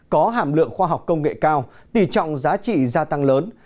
có hàm lượng khoa học công nghệ cao tỷ trọng giá trị gia tăng lớn